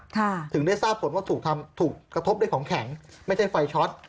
ถึงได้ทราบผลว่าถูกทำถูกกระทบด้วยของแข็งไม่ใช่ไฟช็อต